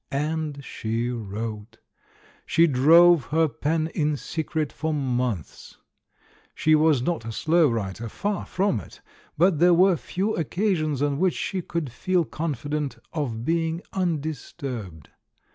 And she wrote. She drove her pen in secret for months ; she was not a slow writer — far from it — but there were few occasions on which she could feel confident of being undisturbed.